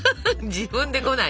自分で来ない！